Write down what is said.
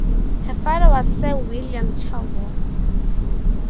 Her father was Sir William Chaworth.